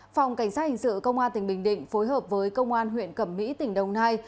phòng cảnh sát hình sự công an tỉnh bình định phối hợp với công an huyện cẩm mỹ tỉnh đồng nai